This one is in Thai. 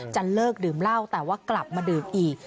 จะเลิกดื่มเหล้าแต่ว่ากลับมาดื่มอีก